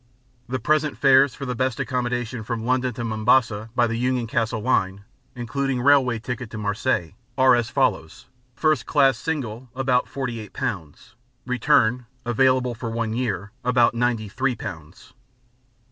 The present fares for the best accommodation from London to Mombasa by the Union Castle Line (including railway ticket to Marseilles) are as follows First Class Single, about 48 pounds; Return (available for one year) about 93 pounds.